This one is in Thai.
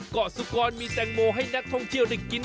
เกาะสุกรมีแตงโมให้นักท่องเที่ยวได้กิน